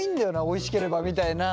おいしければみたいなところは。